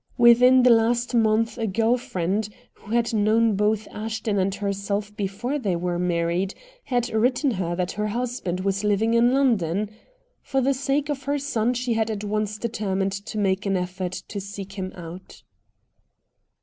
Within the last month a girl friend, who had known both Ashton and herself before they were married, had written her that her husband was living in London. For the sake of her son she had at once determined to make an effort to seek him out.